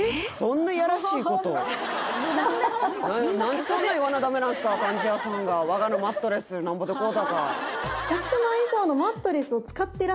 何でそんなん言わなダメなんすか貫地谷さんが我がのマットレスなんぼで買うたか